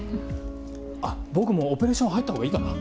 あっ僕もオペレーション入ったほうがいいかな？